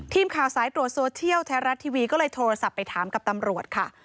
ทีมข่าวสายตรวจโซเชียลไทยรัฐทีวีก็เลยโทรศัพท์ไปถามกับตำรวจค่ะ